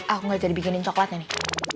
aku gak jadi bikinin coklatnya nih